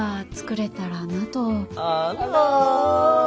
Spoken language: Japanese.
あら。